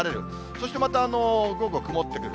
そしてまた午後曇ってくる。